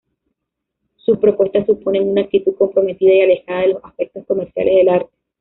Sus propuestas suponen una actitud comprometida y alejada de los aspectos comerciales del arte.